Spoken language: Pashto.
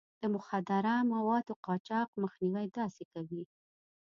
د مخدره موادو د قاچاق مخنيوی داسې کوي.